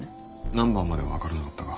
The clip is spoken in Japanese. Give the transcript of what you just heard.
ナンバーまでは分からなかったが。